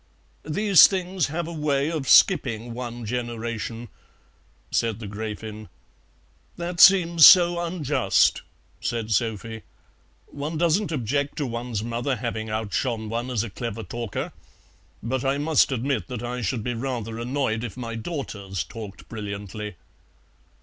"These things have a way of skipping one generation," said the Gräfin. "That seems so unjust," said Sophie; "one doesn't object to one's mother having outshone one as a clever talker, but I must admit that I should be rather annoyed if my daughters talked brilliantly."